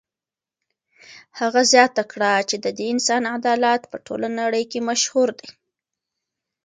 هغه زیاته کړه چې د دې انسان عدالت په ټوله نړۍ کې مشهور دی.